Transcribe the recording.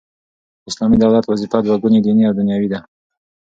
د اسلامي دولت وظیفه دوه ګونې دیني او دنیوې ده.